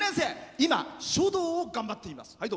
今、書道を頑張っています。